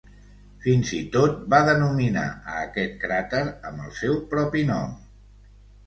Fins i tot va denominar a aquest cràter amb el seu propi nom.